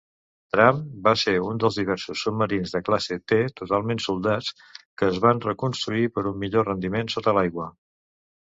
"Trump" va ser un dels diversos submarins de classe T totalment soldats que es van reconstruir per un millor rendiment sota l'aigua.